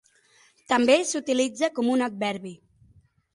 També s'utilitza com un adverbi.